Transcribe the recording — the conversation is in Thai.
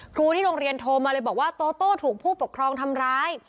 ครูที่โรงเรียนโทรมาเลยบอกว่าโตโต้ถูกผู้ปกครองทำร้าย